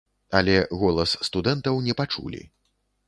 Але голас студэнтаў не пачулі.